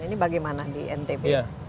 ini bagaimana di ntb